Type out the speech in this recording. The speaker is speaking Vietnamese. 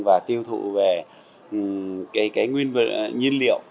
và tiêu thụ về cái nguyên vật nhiên liệu